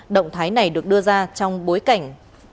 động thái này được đưa ra trong bối cảnh